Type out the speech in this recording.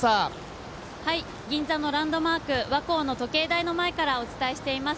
銀座のランドマーク、和光の時計台の前からお伝えしています。